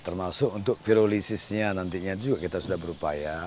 termasuk untuk virologisnya nantinya juga kita sudah berupaya